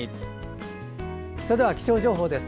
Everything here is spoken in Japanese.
それでは、気象情報です。